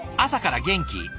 朝から元気。